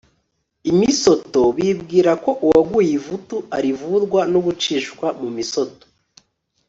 Imisoto bibwira ko uwaguye ivutu arivurwa no gucishwa mu misoto